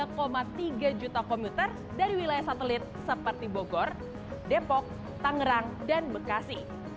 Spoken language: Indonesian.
tiga tiga juta komuter dari wilayah satelit seperti bogor depok tangerang dan bekasi